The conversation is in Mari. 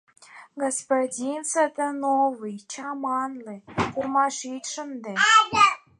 Госпойин са-та-но-вый, чамане, тюрьмаш ит шынде!